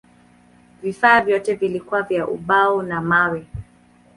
Vifaa vyote vilikuwa vya ubao na mawe.